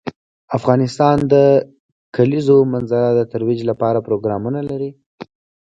افغانستان د د کلیزو منظره د ترویج لپاره پروګرامونه لري.